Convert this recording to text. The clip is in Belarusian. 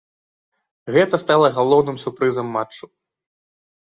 Гэта стала галоўным сюрпрызам матчу.